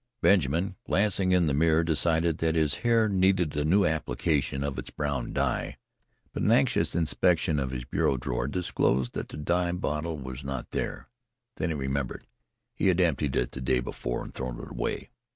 Benjamin, glancing in the mirror, decided that his hair needed a new application of its brown dye, but an anxious inspection of his bureau drawer disclosed that the dye bottle was not there. Then he remembered he had emptied it the day before and thrown it away.